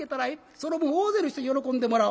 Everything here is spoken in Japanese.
その分大勢の人に喜んでもらお。